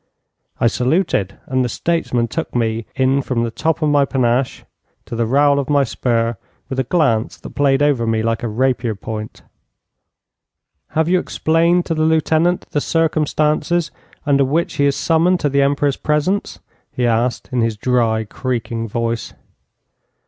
I saluted, and the statesman took me in from the top of my panache to the rowel of my spur, with a glance that played over me like a rapier point. 'Have you explained to the lieutenant the circumstances under which he is summoned to the Emperor's presence?' he asked, in his dry, creaking voice.